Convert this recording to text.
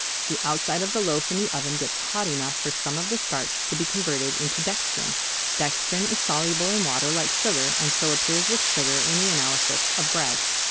The outside of the loaf in the oven gets hot enough for some of the starch to be converted into dextrin. Dextrin is soluble in water like sugar and so appears with sugar in the analyses of bread.